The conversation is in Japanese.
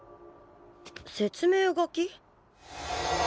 説明書き？